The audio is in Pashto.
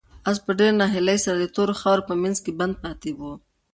آس په ډېرې ناهیلۍ سره د تورو خاورو په منځ کې بند پاتې و.